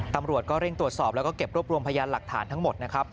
ตำรวจก็เร่งตรวจสอบแล้วก็เก็บรวบรวมพยานหลักฐานทั้งหมดนะครับ